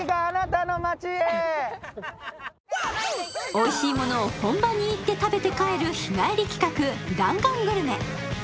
おいしいものを本場に行って食べて帰る日帰り企画弾丸グルメ